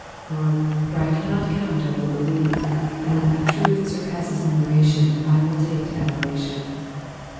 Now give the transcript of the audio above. Loid, where I cannot count I will believe, and when a truth surpasses numeration I will take to admiration.